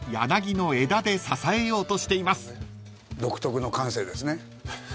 独特の感性ですね。